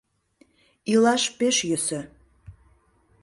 Илаш пеш йӧсӧ: